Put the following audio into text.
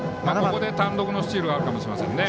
ここで単独のスチールがあるかもしれませんね。